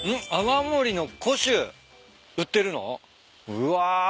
うわ。